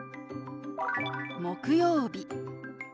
「木曜日」。